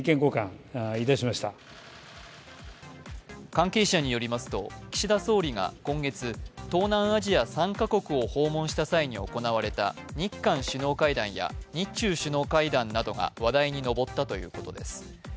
関係者によりますと岸田総理が今月東南アジア３か国を訪問した際に行われた日韓首脳会談や日中首脳会談などが話題に上ったということです。